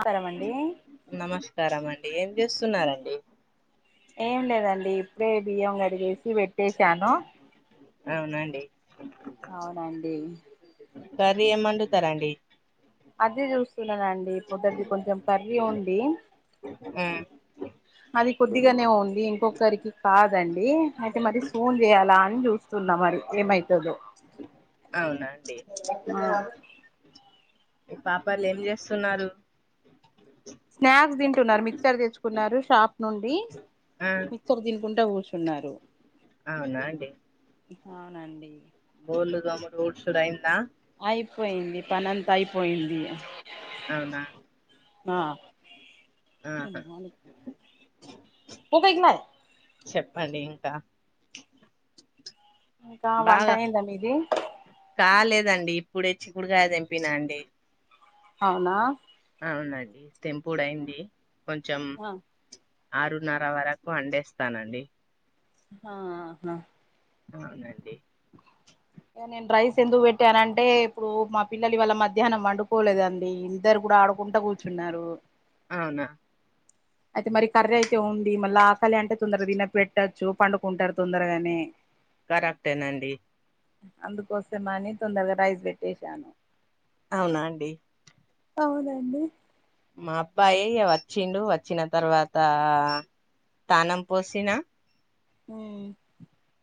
ఆహారంమండి నమస్కారం అండి ఏం చేస్తున్నారండి. ఏం లేదండి ఇప్పుడే బియ్యం కడిగేసి పెట్టేసాను అవునండి అవునండి కర్రీ ఏం వండుతారండి అదే చూస్తున్నానండి పొద్దటిద కొంచెం కర్రీ ఉంది ఆ అది కొద్దిగానే ఉంది ఇంకొకరికి కాదండి అయితే మరి సూన్ చేయాలా అని చూసి చూస్తున్నా మరి కె మైతాదో అవునాండి ఆ మీ పాపలు ఏం చేస్తున్నారు స్నాక్స్ తింటున్నారు మిక్చర్ తెచ్చుకున్నారు షాప్ నుండి ఆ ఇ తినుకుంట కూర్చున్నారు అవునా అండి అవునండి బోల్లు త అరి ఊడ్స రాయింద [unintelligible] అయిపోయింది పనంత అయిపోయింది అవునా ఆ ఆహా [unintelligible] చెప్పండి ఇంకా ఇంకా వంట బాగా అయిందా మీది కాలేదండి ఇప్పుడే చికుడుగాయ తెంపినా అండి అవునా అవునండి తెంపుడు అయింది కొంచెం ఆహా ఆరున్నర వరకు అండేస్తానండి ఆ అవునండి ఇక నేను రైస్ ఎందుకు పెట్టాను అంటే ఇప్పుడు మా పిల్లలు ఇవ్వాళ్ళ మధ్యాహ్నం పండుకోలేదండి ఇద్దరు కూడా ఆడుకుంట కూర్చు కూర్చున్నారు అవునా అయితే మరి కర్రీ అయితే ఉంది మళ్ళ ఆకలి అంటే తొందరగా తిన పెట్టొచ్చు పండుకుంటారు తొందరగానే కరక్టేనండి అందుకోసమని తొందరగా రైస్ పెట్టేసా అవునా అండి అవునండి మా అబ్బాయి వచ్చిండు వచ్చిన తర్వాత తానం పోసిను హమ్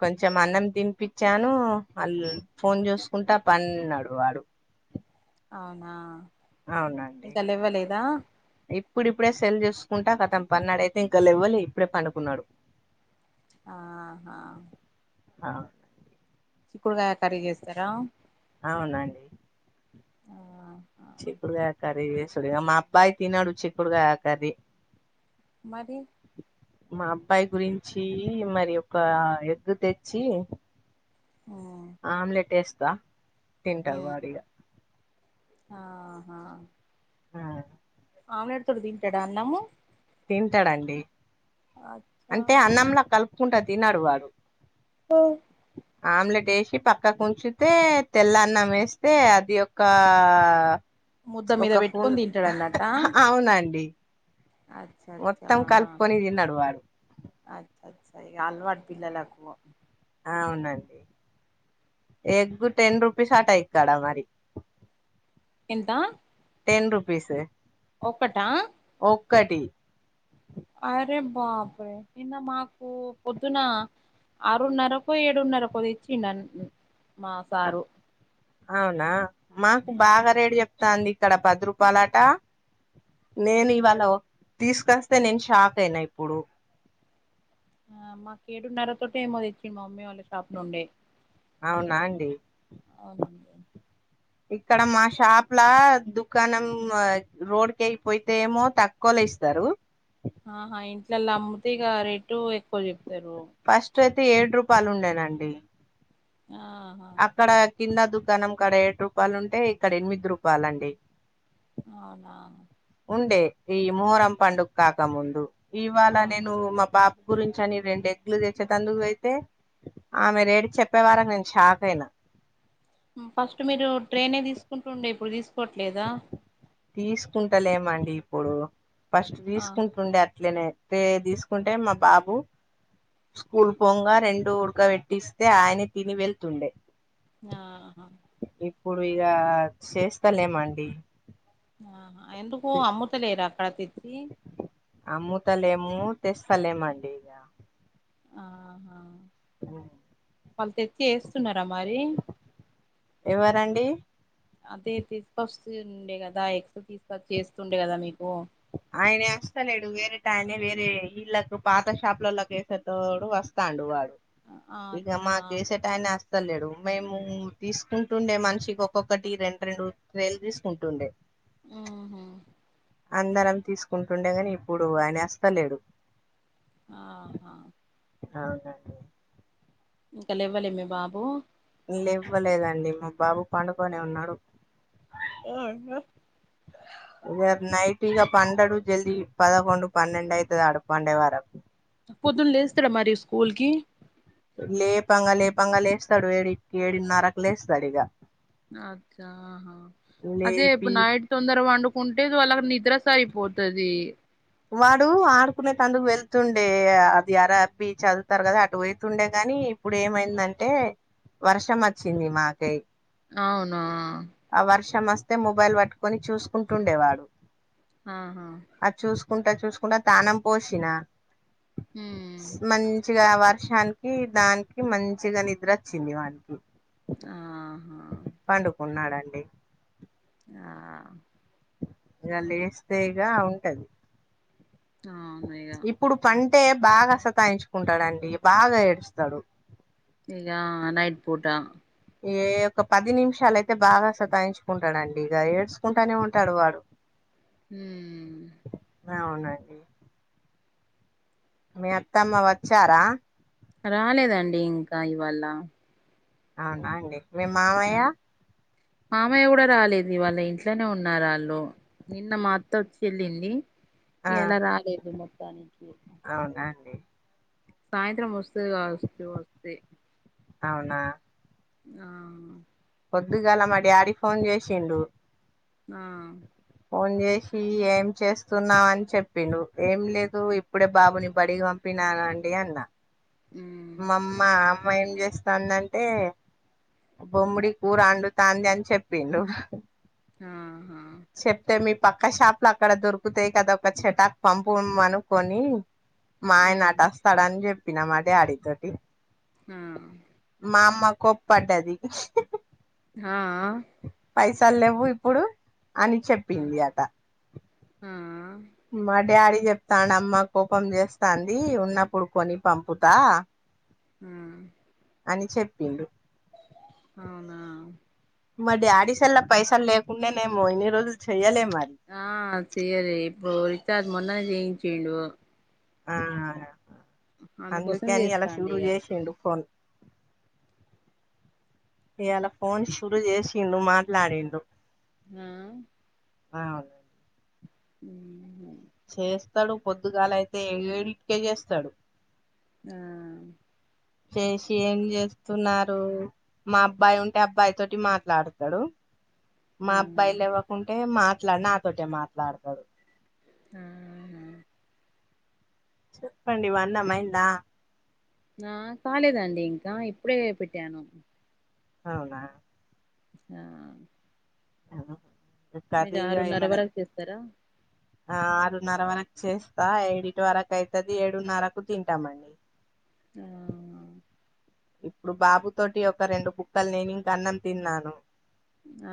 కొంచెం అన్నం తినిపిచ్చాను వాళ ఫోన్ చూసుకుంటా పండిన్నాడు వాడు అవునా అవునండి ఇంకా లేవ్వలేదా ఇప్పుడిప్పుడే సెల్ చేసుకుంటా కతం పన్నాడయితే ఇంకా లేవ్వలే ఇప్పుడే పండుకున్నా ఆహా ఆ చిక్కుడుకాయ కర్రీ చేస్తారా అవునండి ఆ చిక్కుడుగాయకర్రీ చేసుడు మా అబ్బాయి తినడు చిక్కుడుగాయ కర్రీ మరి మా అబ్బాయి గురించీ మరి యొక ఎగ్గు తెచ్చి హ్మ్ ఆమ్లెట్ ఎస్తా తింటడు ఉమ్ వాడిగా ఆహా ఆ ఆమ్లెట్ తొడి తింటాడా అన్నము తింటడండి అంటే అచ్చా అన్నంల కలుపుకుంటా తినడు వాడు ఆమ్లెట్ ఎసి పక్క కుంచుతే తెల్ల అన్నం వేస్తే అది యొక్కా ముద్ద మీద ఒక ఫోన్ పెట్టుకొని తింటాడు అన్నట్ట అవునండి అచ్చ అచ్చ వొత్తం కలుపుకొని తినడు వాడు అచ్చ అచ్ అల్వాట్ పిల్లలకు అ అవునండి ఎగ్ టెన్ రూపీస్ అటైత అడ మరి ఎంతా టెన్ రూపీసే ఒక్కటా ఒక్కటి అరే బాప్ రే నిన్న మాకు పొద్దున ఆరున్నరకొ ఏడున్నరకో తెచ్చిండ్ అన్ అవునా మాకు బాగా అవునా రేట్ చెప్ తంది ఇక్కడ పద్రుపాలాట లేని వాల్లో తీస్కోస్తే నేను షాక్ అయినా ఇప్పుడు ఆ మాక్ ఏడున్నర తోటె ఏమో తెచ్చింది మా మమ్మీ వాళ్ళ షాప్ నుండే అవునా అండి అవునండి ఇక్కడ మా షాప్ లా దుకాణం రోడ్ కే పోతే ఏమో తక్కువలో ఇస్తారు ఆహా ఇంట్లలో అమ్ముతే ఇక రేటు ఎక్కువ చెప్తారు ఫస్ట్ అయితే ఏడు రూపాయల్ ఉండెనండి ఆహా అక్కడ కింద దుకాణం కాడ ఏడు రూపాయలు ఉంటే ఇక్కడ ఎనిమిది రూపాలండి అవునా ఉండే ఈ మొహరం పండుగ కాక ముందు ఇవాళ ఆహా నేను మా బా గురించి అని రెండు ఎగ్లు తెచ్చేదిందుకు అయితే ఆమె రేట్ చెప్పేవారకి నేను షాక్ అయినా ఫస్ట్ మీరు ట్రైనే తీసుకుంటుండే ఇప్పుడు తీసుకోవట్లేదా తీసుకుంటలేమండి ఇప్పుడు ఫస్ట్ ఆ తీసుకుంటుండే అట్లనే తే తీసుకుంటే మా బాబు స్కూల్ పోంగా రెండు ఉడక పెట్టిస్తే ఆయనే తిని వెళ్తుండే ఆహా ఇప్పుడు ఇగ చేస్తలేేమండి ఆహా ఎందుకు అమ్ముతలేరా అక్కడ తెచ్చి అమ్ముతలేము తెస్తలేమండి ర్యా ఆహా ఆ వాళ్ళు తెచ్చి ఏస్తున్నారా మరి ఎవరండీ అదే తీసుకొస్తుండే కదా ఎగ్స్ తీసుకొచ్చి ఏస్తుండే కదా మీకు ఆయన ఏస్తలేడు వేరేటయన వేరే ఇల్లకు పాత షాపులోలకి ఏసేటోడు వస్ తాండు వాడు ఇంగ అచ్చా మాకు ఏసే టయనేస్తలేడు మేము తీసుకుంటుండే మనిషికి ఒక్కొక్కటి రెండు రెండు ట్రేలు తీసుకుంటుండే ఆహా అందరం తీసుకుంటుండే గాని ఇప్పుడు ఆయనేస్తలేడు ఆహా అవునా ఇంకలేవ్వలే మీ బాబు లేవ్వలేదండి మా బాబు పండుకొనే ఉన్నాడు. ఆ ఆ వాడు నైట్ ఇగ పండడు జల్ది పదకొండు, పనిండూ అయితది ఆడు పండే వరకు పొద్దున్న లేస్తాడా మరి స్కూల్ కి లేపంగా లేపంగా లేస్తాడు ఏడుకి ఏడున్నరకు లేస్తాడు ఇగ అచ్చా ఆహా అదే లేపి ఇప్పుడు నాయ్ తొందర పండుకుంటే వాళ్ళకి నిద్ర సరిపోతది. వాడు ఆడుకునేతండుకు వెళ్తుండే అది ఆర్ ఆర్ బి చదువుతారు కదా అటు పోయితుండే గాని ఇప్పుడేమైందంటే వర్షం వచ్చింది మాకై అవునూ ఆ వర్షం వస్తే మొబైల్ పట్టుకొని చూసుకుంటుండేవాడు. ఆహా అది చూసుకుంటా చూసుకుంటా తానం పోషినా ఊ మంచిగా వర్షానికి దానికి మంచిగా నిద్ర వచ్చింది వానికి ఆ పండుకున్నాడండి ఆ ఇగ లేస్తే ఇగ ఉంటది. ఆమేగా ఇప్పుడు పంటే బాగా సతాయించుకుంటాడండి బాగా ఏడుస్తాడు. ఇగా నైట్ పూట ఏ ఒక పది నిమిషాలు అయితే బాగా సదాయించుకుంటాడండి ఇగ ఏడ్చుకుంటూనే ఉంటాడు వాడు ఊ అవునండి మీ అత్తమ్మ వచ్చారా రాలేదండి ఇంకా ఇవాళ్ళ అవునా అండి మీ మావయ్య హ్మ్. మామయ్య కూడా రాలేదివాళ్ళ ఇంట్లోనే ఉన్నారాళ్ళు నిన్న మా అత్త వచ్చి ఏల్లింది ఆ ఇయాల రాలేదు మొత్తానికి అవునా అండి సాయంత్రం వస్తుదిగావచ్చు వస్తే అవునా ఆ పొద్దుగాల మా డాడీ ఫోన్ చేసిండు ఆ ఫోన్ చేసి ఏం చేస్తున్నా అని చెప్పిండు ఏం లేదు ఇప్పుడే బాబుని బడిగి తినాలండి అన్నా ఆ మా అమ్మ అమ్మ ఏం చేస్తందంటే బొమ్ముడి కూర అండుతాంది అని చెప్పిండు ఆహా చెప్తే మీ పక్క షాప్ లో అక్కడ దొరుకుతాయి కదా ఒక చెటాక్ పంపుమనుకొని మా ఆయన హ్మ్ అటు వస్తామని చెప్పినం అదే అడిగితాది ఆ మా అమ్మ కోప్పడ్డది ఆఆ పైసలు లేవు ఇప్పుడు అని చెప్పింది ఆ అట ఆ మా డాడీ చెప్తాను అమ్మ కోపం చేస్తాంది ఉన్నప్పుడు కొని పంపుతా ఆ అని చెప్పిండు అవునా మా డాడీసల్ల పైసలు లేకుండేనేేము ఇన్ని రోజులు చెయ్యలే మరి ఆ చేయలే ఇప్పుడు రీచార్జ్ మొన్ననే చేయించిండు ఆ అందుకోసం అందుకని అలా చేస్తాండు షురూ ఇగ చేసిండు ఫోన్ ఇవాలా ఫోన్ షురూ చేసిండు మాట్లాడిండు ఆ ఆ ఉ చేస్తాడు పొద్దుగాలయితే ఏడింటికే చేస్తాడు ఆ చేసి ఏం చేస్తున్నారు మా అబ్బాయి ఉంటే అబ్బాయి తోటి మాట్లాడతాడు ఆ మా అబ్బాయి లెవ్వకుంటే మాట్లాడు నాతోటే మాట్లాడతారు ఆ చూసుకండి వాన్నమ్మయిందా నా కాలేదండి ఇంకా ఇప్పుడే పెట్టాను అవునా ఆ మీరు ఆరున్నర కథగాయమన వరకు చేస్తారా ఆ ఆరున్నర వరకు చేస్తా ఏడిటి వరకు అయితుది ఏడున్నరకు తింటామండి ఆ ఇప్పుడు బాబు తోటి ఒక రెండు బుక్కలు నేను ఇంకా అన్నం తిన్నాను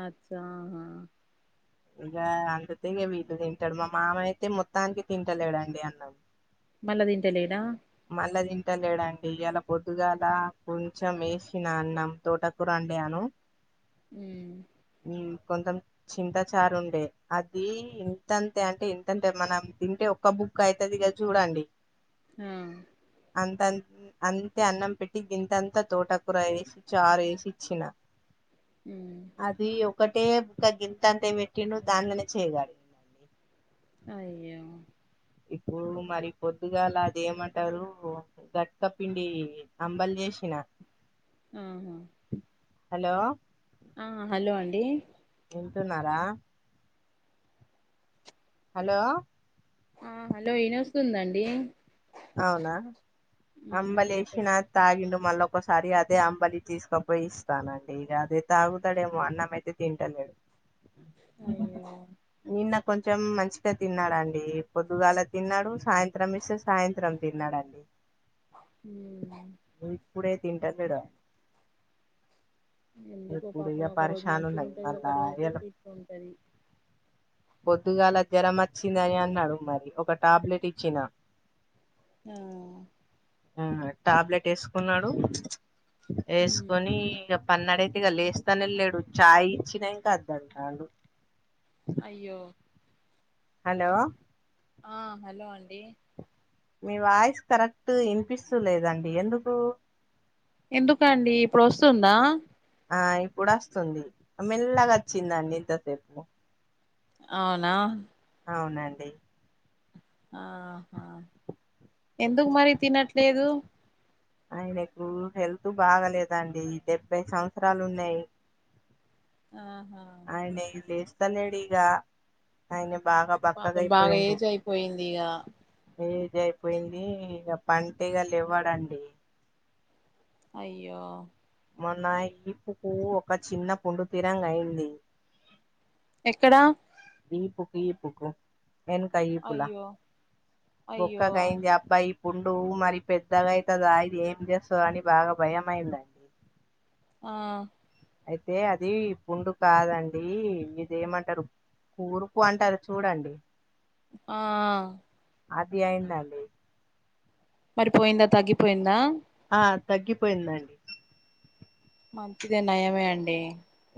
అచ్చా ఆ గా అంత తీగ వీళ్ళు తింటాడు మా మామ అయితే మొత్తానికి తింటలేడండి అన్నం మళ్ళా తింటలేడ మళ్ళా తింటలేడండి ఇలా పొద్దుగాల కొంచెం వేసిన అన్నం తోట కూరండాను ఉ ఉ కొంతం చింత చారు ఉండే అది ఇంతంతే అంటే ఇంతంటే మనం తింటే ఒక్క బుక్ అయితది గదా చూడండి ఆ అంతన్ అంతే అన్నం పెట్టి గింతంతా తోట కూర వేసి చారు వేసి ఇచ్చిన ఉ అది ఒకటే ఇకా గింత అంతే పెట్టిండు దానిలోనే చేయాలి అయ్యో ఇప్పుడు మరి పొద్దుగలా అది ఏమంటారు గక్క పిండి అంబలు చేసిన ఆహా హలో ఆ హలో అండి వింటున్నారా హలో ఆ హలో వినోస్తుందండి అవునా ఉమ్ అంబల్ ఏసినా చెప్పండి తాగిండు మళ్ళ ఒకసారి అదే అంబలి తీసుకపోయి ఇస్తానండి ఇక అదే తాగుతాడేమో అన్నం ఎట్ తింటన్నాడు అయ్యో నిన్న కొంచెం మంచిగా తిన్నాడండి పొద్దుగలా తిన్నాడు సాయంత్రం ఇసె సాయంత్రం తిన్నాడండి ఉ ఇప్పుడే తింటాడు చూడు ఎందుకో ఇప్పుడు ఇక పాపం ఒక రోజు పరిశాన్ మంచిగా ఉన్నది ఉంటది మళ్ళా ఒక రోజు ఇయాల ఫీట్ ఉంటది పొద్దుగల జ్వరం వచ్చిందని అన్నాడు మరి ఒక టాబ్లెట్ ఇచ్చిన ఆ ఆ టాబ్లెట్ వేసుకున్నాడు ఉమ్ వేసుకొని ఇగ పన్నడైతేగా లేస్తానే వెళ్ళాడు చాయ్ ఇచ్చినా ఇంకా వద్దంటాడు అయ్యో హలో ఆ హలో అండి మీ వాయిస్ కరెక్ట్ ఇనిపిస్తలేదండి ఎందుకు ఎందుకండి ఇప్పుడు వస్తుందా ఆ ఇప్పుడొస్తుంది మెల్లగా వచ్చిందండి ఇంతసేపు అవునా అవునండి ఆహా ఎందుకు మరి తినట్లేదు ఆయనకు హెల్త్ బాగలేదండి డెబ్బై సంవత్సరాలు ఉన్నాయి ఆహా యినే లేస్తాలేడు ఇగా ఆయన బాగా పాపం బాగా బక్కగయిపోయిండు ఏజ్ అయిపోయింది ఇగా. ఏజ్ అయిపోయింది ఇగ పంటే ఇగ లెవ్వడండి అయ్యో మొన్న ఈప్పుకు ఒక చిన్న పుండుతిరంగాయింది. ఎక్కడా ఈపుకు ఈప్కు ఎనకా ఈపులా అయ్యో బుక్క అయ్యో కైందాప్ బ్బా ఈ పుండూ మరి పెద్దగాయితదా ఇది ఏం చేస్తదా అని బాగా భయ అయింద ఆ అయితే అది పుండు కాదండి ఇదేమంటరు కురుపు అంటరు చూడండి ఆ అది అయిన్దండి మరిపోయిందా తగ్గిపోయిందా ఆ తగ్గిపోయిందండి మంచిదే నయమే అండి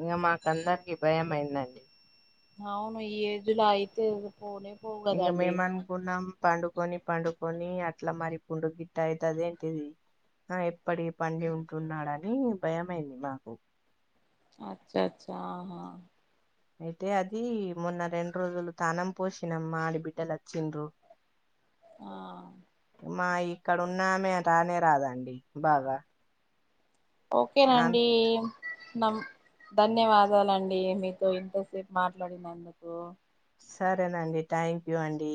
ఇగ మాకందరికి భయం అయిందండి అవును ఈ ఏజ్లో అయితే పోనే పోవ్ ఇగ మేమన్ పన్నం పండుకొని పండుకొని అట్లా మరి పుండు గిట్ట అవుతుదేంటిది ఆ ఎప్పటి పండి ఉంటున్నాడని భయమైంది మాకు అచ్చ అచ్చ ఆహా అయితే అది మొన్న రెండు రోజులు తానం పోసినమ్మాఆడి బిడ్డలు వచ్చిండ్రు ఆ మా ఇక్కడ ఉన్నామే రానే రాదండి బాగా ఆమె ఓకేనాండి నమ్ ధన్యవాదాలండి మీతో ఇంతసేపు మాట్లాడినందుకు సరేనండి థ్యాంక్యూ అండి